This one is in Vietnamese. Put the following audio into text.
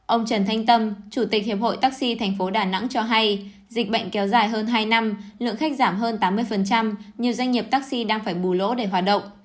ông trần thanh tâm chủ tịch hiệp hội taxi tp đà nẵng cho hay dịch bệnh kéo dài hơn hai năm lượng khách giảm hơn tám mươi nhiều doanh nghiệp taxi đang phải bù lỗ để hoạt động